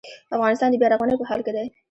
افغانستان د بیا رغونې په حال کې دی